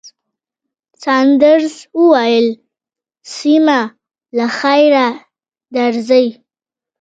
ساندرز وویل، سېمه، له خیره درځئ.